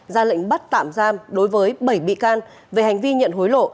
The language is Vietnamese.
ra lệnh bắt tạm giam đối với bảy bị can về hành vi nhận hối lộ